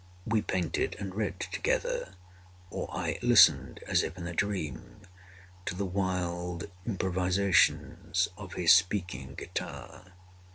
We painted and read together; or I listened, as if in a dream, to the wild improvisations of his speaking guitar.